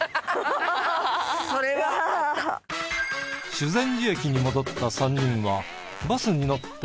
修善寺駅に戻った３人はバスに乗って。